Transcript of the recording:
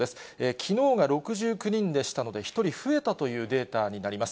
きのうが６９人でしたので、１人増えたというデータになります。